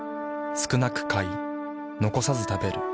少なく買い残さず食べる。